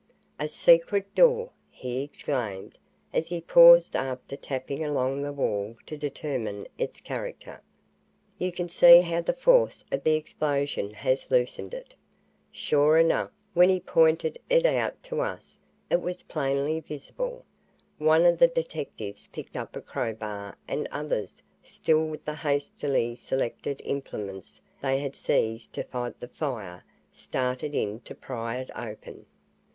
"A secret door!" he exclaimed, as he paused after tapping along the wall to determine its character. "You can see how the force of the explosion has loosened it." Sure enough, when he pointed it out to us, it was plainly visible. One of the detectives picked up a crowbar and others, still with the hastily selected implements they had seized to fight the fire, started in to pry it open.